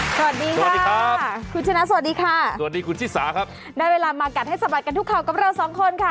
สวัสดีค่ะคุณชนะสวัสดีค่ะสวัสดีคุณชิสาครับได้เวลามากัดให้สะบัดกันทุกข่าวกับเราสองคนค่ะ